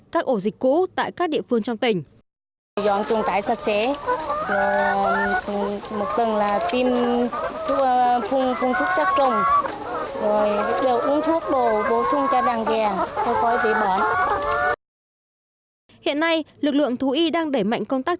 các ổ dịch cũ tại các địa phương trong tỉnh hiện nay lực lượng thú y đang đẩy mạnh công tác